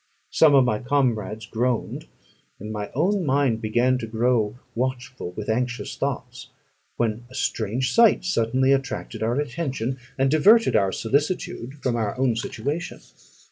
Some of my comrades groaned, and my own mind began to grow watchful with anxious thoughts, when a strange sight suddenly attracted our attention, and diverted our solicitude from our own situation.